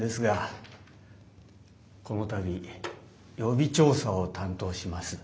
この度予備調査を担当します